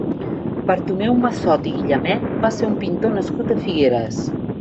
Bartomeu Massot i Guillamet va ser un pintor nascut a Figueres.